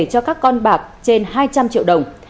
cho các con bạc trên hai trăm linh triệu đồng